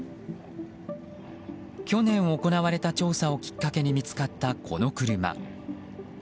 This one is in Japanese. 去年行われた調査をきっかけに見つかったこの車。